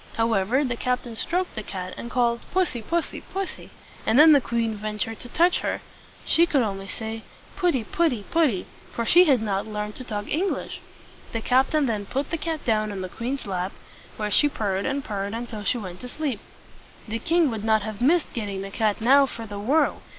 However, the captain stroked the cat, and called, "Pussy, pussy, pussy!" and then the queen ventured to touch her. She could only say, "Putty, putty, putty!" for she had not learned to talk English. The captain then put the cat down on the queen's lap, where she purred and purred until she went to sleep. The king would not have missed getting the cat now for the world.